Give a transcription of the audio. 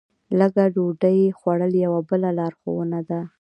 لږه ډوډۍ خوړل یوه بله لارښوونه ده.